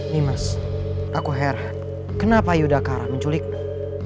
nimas aku hera kenapa yudhacara menculikku